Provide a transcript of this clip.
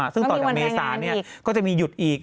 ซึ่งต่อจากเมษาก็จะมีหยุดอีก